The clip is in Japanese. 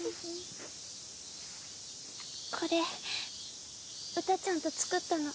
これ詩ちゃんと作ったの。